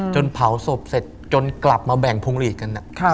เผาศพเสร็จจนกลับมาแบ่งพวงหลีดกัน